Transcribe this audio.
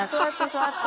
座って。